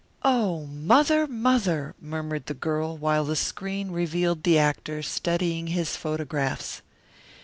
"Oh, Mother, Mother!" murmured the girl while the screen revealed the actor studying his photographs.